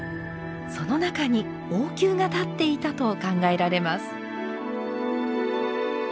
その中に王宮が立っていたと考えられます。